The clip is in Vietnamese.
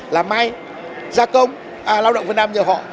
là mây gia công lao động việt nam như họ